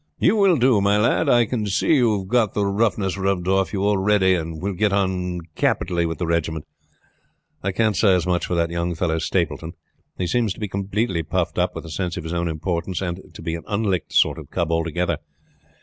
"You will do, my lad. I can see you have got the roughness rubbed off you already, and will get on capitally with the regiment. I can't say as much for that young fellow Stapleton. He seems to be completely puffed up with the sense of his own importance, and to be an unlicked sort of cub altogether.